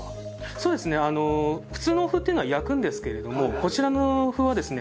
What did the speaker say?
そうですね普通のお麩というのは焼くんですけれどもこちらのお麩はですね